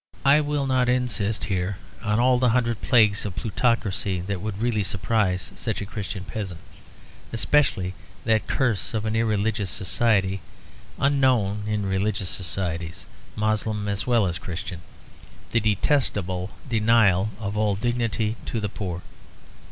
I will not insist here on all the hundred plagues of plutocracy that would really surprise such a Christian peasant; especially that curse of an irreligious society (unknown in religious societies, Moslem as well as Christian) the detestable denial of all dignity to the poor.